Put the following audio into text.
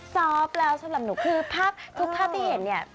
ซอฟแล้วสำหรับหนูคือภาพทุกภาพที่เห็นเนี่ย